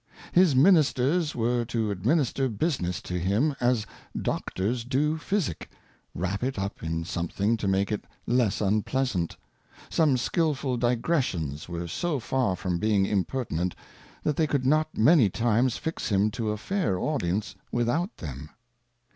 His Ministers were to administer Business to him as Doctors do Physick, wrap it up in something to make it less unpleasant ; some skilful Digressions were so far from being Impertinent, that they could not many times fix him to a fair Audience without them.